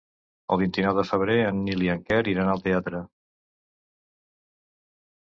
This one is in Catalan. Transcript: El vint-i-nou de febrer en Nil i en Quer iran al teatre.